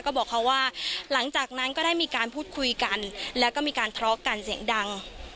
ก็บอกเขาว่าหลังจากนั้นก็ได้มีการพูดคุยกันแล้วก็มีการทะเลาะกันเสียงดัง